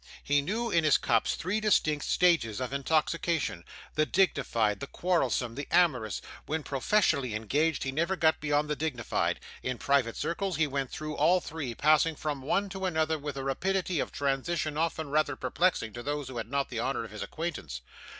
He knew in his cups three distinct stages of intoxication, the dignified the quarrelsome the amorous. When professionally engaged he never got beyond the dignified; in private circles he went through all three, passing from one to another with a rapidity of transition often rather perplexing to those who had not the honour of his acquaintance.